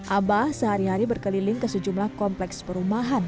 abah sehari hari berkeliling ke sejumlah kompleks perumahan